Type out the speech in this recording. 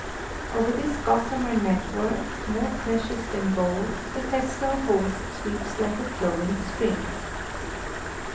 Over this gossamer net work, more precious than gold, the festal host sweeps like a flowing stream.